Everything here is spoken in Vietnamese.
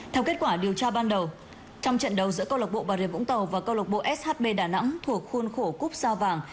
theo kết quả điều tra ban đầu trong trận đấu giữa công an tp bà rê vũng tàu và công an tp shb đà nẵng thuộc khuôn khổ cúp sao vàng